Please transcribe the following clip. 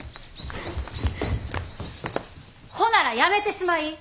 ほならやめてしまい！